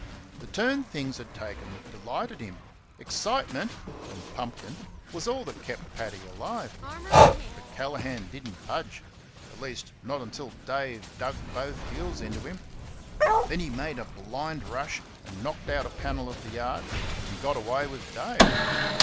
The turn things had taken delighted him. Excitement (and pumpkin) was all that kept Paddy alive. But Callaghan did n't budge at least not until Dave dug both heels into him. Then he made a blind rush and knocked out a panel of the yard and got away with Dave.